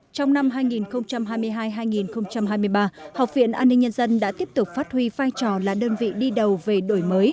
trong năm hai nghìn hai mươi hai hai nghìn hai mươi ba học viện an ninh nhân dân đã tiếp tục phát huy vai trò là đơn vị đi đầu về đổi mới